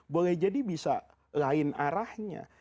boleh jadi bisa lain arahnya